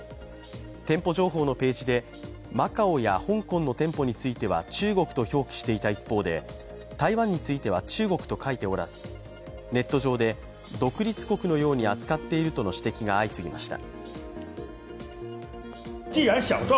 店舗情報のページで、マカオや香港の店舗については中国と表記していた一方で、台湾については中国と書いておらずネット上で独立国のように扱っているとの指摘が相次ぎました。